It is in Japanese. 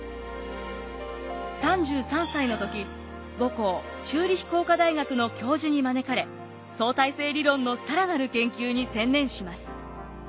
３３歳の時母校チューリヒ工科大学の教授に招かれ相対性理論の更なる研究に専念します。